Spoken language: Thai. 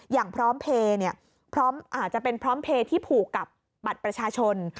อย่างพร้อมเพลย์อาจจะเป็นพร้อมเพลย์ที่ผูกกับบัตรประชาชน